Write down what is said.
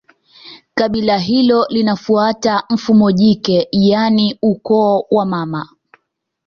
Kabila hilo linafuata mfumo jike yaani ukoo wa mama